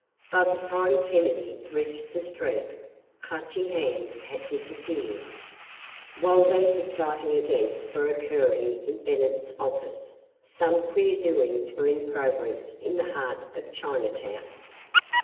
By the time Kennedy reached the street Clutching Hand had disappeared. ........ While these exciting events were occurring in Bennett's office some queer doings were in progress in the heart of Chinatown.